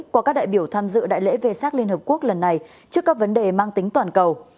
qua các đại biểu tham dự đại lễ về sắc liên hợp quốc lần này trước các vấn đề mang tính toàn cầu